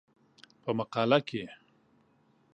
په مقاله کې